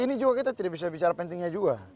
ini juga kita tidak bisa bicara pentingnya juga